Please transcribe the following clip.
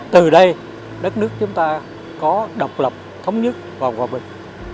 từ đây đất nước chúng ta có độc lập thống nhất và hòa bình